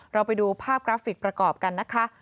เราไปดูภาพกราฟิกประกอบกันนะคะ